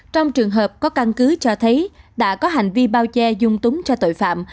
trong trường hợp có căn cứ cho thấy đã có hành vi bao che dung túng cho tội phạm